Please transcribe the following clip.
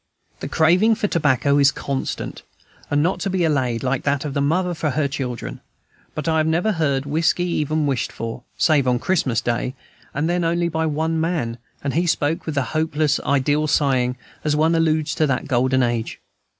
The craving for tobacco is constant, and not to be allayed, like that of a mother for her children; but I have never heard whiskey even wished for, save on Christmas Day, and then only by one man, and he spoke with a hopeless ideal sighing, as one alludes to the Golden Age.